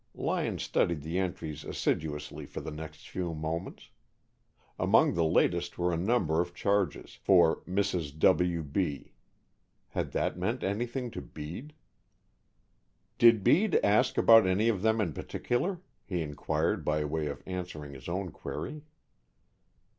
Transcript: Lyon studied the entries assiduously for the next few moments. Among the latest were a number of charges, "for Mrs. W. B." Had that meant anything to Bede? "Did Bede ask about any of them in particular?" he inquired by way of answering his own query.